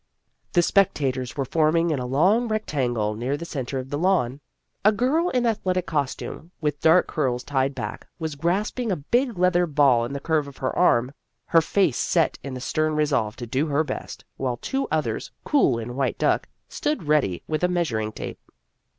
The spectators were forming in a long rectangle near the centre of the lawn. A girl in athletic costume, with dark curls tied back, was grasping a big leather ball in the curve of her arm, her face set in the stern resolve to do her best, while two others, cool in white duck, stood ready with a measuring tape.